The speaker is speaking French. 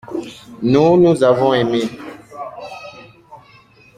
Nous, nous avons aimé.